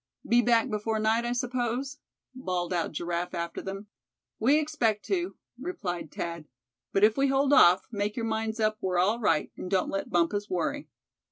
"Be back before night, I suppose?" bawled out Giraffe after them. "We expect to," replied Thad; "but if we hold off, make your minds up we're all right, and don't let Bumpus worry."